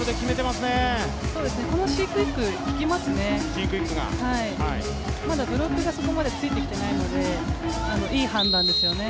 まだブロックがそこまでついてきていないので、いい判断ですよね。